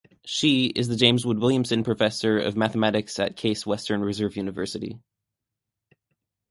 She is the James Wood Williamson Professor of Mathematics at Case Western Reserve University.